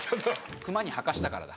クマにはかしたからだ。